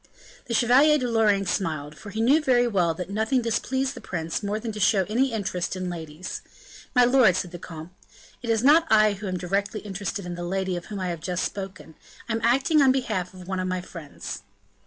The Chevalier de Lorraine smiled, for he knew very well that nothing displeased the prince more than to show any interest in ladies. "My lord," said the comte, "it is not I who am directly interested in the lady of whom I have just spoken; I am acting on behalf of one of my friends."